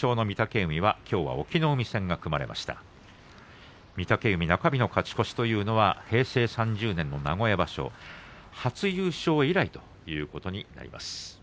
御嶽海、中日での勝ち越しというのは平成３０年の名古屋場所初優勝以来ということになります。